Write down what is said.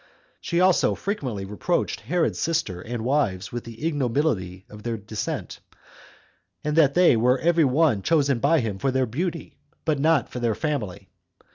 She also frequently reproached Herod's sister and wives with the ignobility of their descent; and that they were every one chosen by him for their beauty, but not for their family.